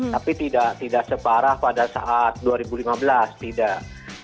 tapi tidak separah pada saat dua ribu lima belas tidak